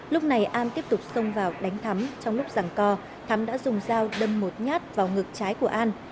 lúc này an tiếp tục xông vào đánh thắm trong lúc rằng co thắm đã dùng dao đâm một nhát vào ngực trái của an